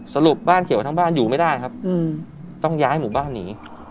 สรุปบ้านเขียวทั้งบ้านอยู่ไม่ได้ครับต้องย้ายหมู่บ้านหนี